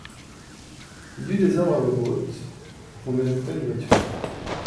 Il y eut des ordres à voix haute, pour qu'on ajoutât une voiture.